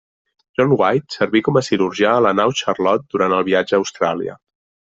John White serví com a cirurgià a la nau Charlotte durant el viatge a Austràlia.